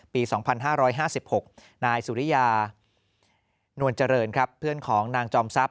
ปี๒๕๕๖นายสุริยานวลเจริญครับเพื่อนของนางจอมทรัพย